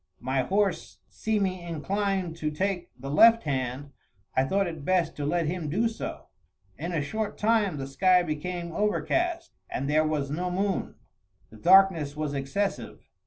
My horse seeming inclined to take the left hand, I thought it best to let him do so. In a short time the sky became overcast, and there was no moon. The darkness was excessive.